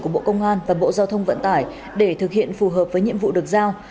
của bộ công an và bộ giao thông vận tải để thực hiện phù hợp với nhiệm vụ được giao